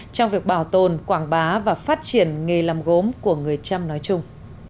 trong việc bảo tồn quảng bá và phát triển nghề làm gốm của người trăm nói chung